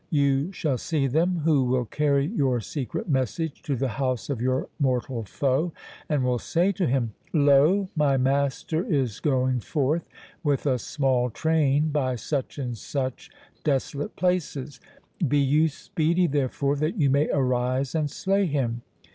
You shall see them who will carry your secret message to the house of your mortal foe, and will say to him, 'Lo! my master is going forth with a small train, by such and such desolate places; be you speedy, therefore, that you may arise and slay him.